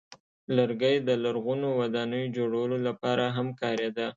لرګی د لرغونو ودانیو جوړولو لپاره هم کارېده.